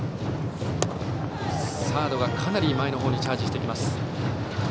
サードがかなり前の方にチャージしてきます。